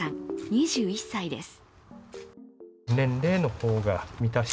２１歳です。